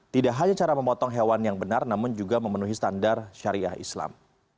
tidak hanya cara memotong hewan yang benar namun juga memenuhi standar syariah islam